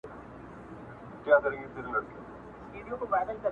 اوښکې په سترګو کې ډېوې کړم ورته